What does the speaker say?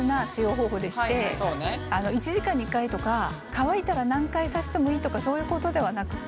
１時間に１回とか乾いたら何回さしてもいいとかそういうことではなくって。